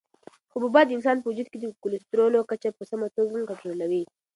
حبوبات د انسان په وجود کې د کلسترولو کچه په سمه توګه کنټرولوي.